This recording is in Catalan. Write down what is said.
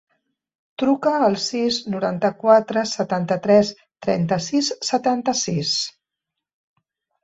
Truca al sis, noranta-quatre, setanta-tres, trenta-sis, setanta-sis.